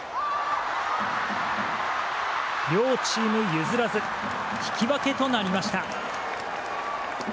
両チーム譲らず引き分けとなりました。